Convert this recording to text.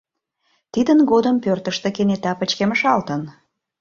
Тидын годым пӧртыштӧ кенета пычкемышалтын.